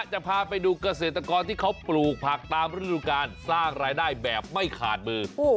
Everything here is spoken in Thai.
จะพาไปดูเกษตรกรที่เขาปลูกผักตามฤดูการสร้างรายได้แบบไม่ขาดมือ